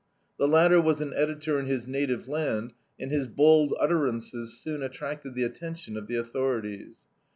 The latter was an editor in his native land, and his bold utterances soon attracted the attention of the authorities.